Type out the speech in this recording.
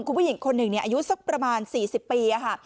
คุณผู้หญิงคนหนึ่งอายุสักประมาณ๔๐ปีค่ะ